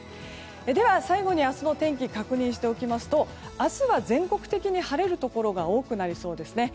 では、最後に明日の天気を確認しておきますと明日は全国的に晴れるところが多くなりそうですね。